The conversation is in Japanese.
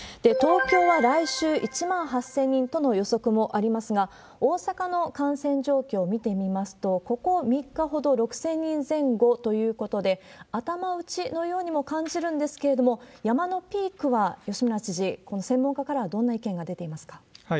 東京は来週、１万８０００人との予測もありますが、大阪の感染状況を見てみますと、ここ３日ほど、６０００人前後ということで、頭打ちのようにも感じるんですけども、山のピークは吉村知事、専門家からはどんな意見が出ていますか？